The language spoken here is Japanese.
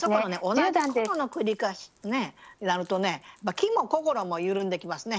同じことの繰り返しになるとね気も心も緩んできますね。